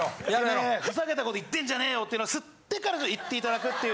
てめえふざけたこと言ってんじゃねえよっていうのは吸ってから言っていただくっていう。